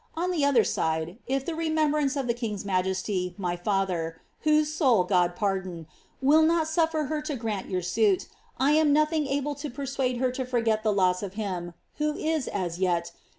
On the other side, if the remembrance of the king's majesty, my father (wliose sonl God pardon !) will not suffer her to graunt your suit, I am nothing able to persuade her to for get the loss of him, who is, as yet.